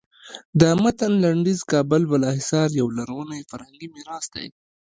د متن لنډیز کابل بالا حصار یو لرغونی فرهنګي میراث دی.